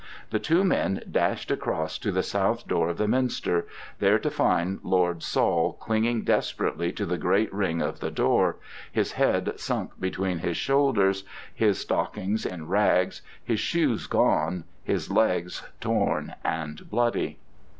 The two men dashed across to the south door of the minster, there to find Lord Saul clinging desperately to the great ring of the door, his head sunk between his shoulders, his stockings in rags, his shoes gone, his legs torn and bloody.